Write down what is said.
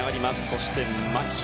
そして牧。